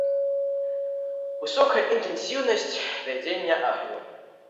Высокая інтэнсіўнасць вядзення агню.